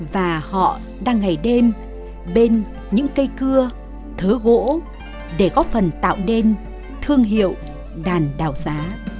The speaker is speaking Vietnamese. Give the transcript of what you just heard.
và họ đang ngày đêm bên những cây cưa thớ gỗ để góp phần tạo nên thương hiệu đàn đào giá